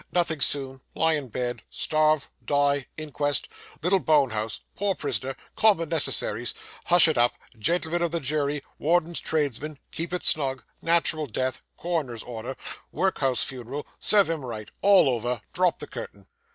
Nothing soon lie in bed starve die inquest little bone house poor prisoner common necessaries hush it up gentlemen of the jury warden's tradesmen keep it snug natural death coroner's order workhouse funeral serve him right all over drop the curtain.